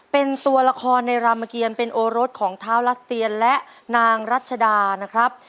เป็นตัวละครในรามเกียรเป็นโอรสของท้าวรัสเตียนและนางรัชดานะครับ